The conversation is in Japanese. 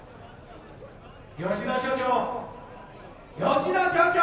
吉田所長吉田所長！」。